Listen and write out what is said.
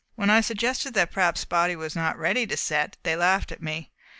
When I suggested that perhaps Spotty was not ready to set, they laughed at me.